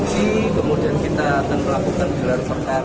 kami berhasil mencari fakta yang benar dan mencari fakta yang benar